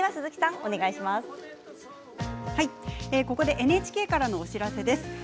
ここでＮＨＫからのお知らせです。